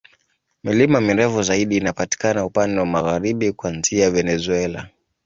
Milima mirefu zaidi inapatikana upande wa magharibi, kuanzia Venezuela.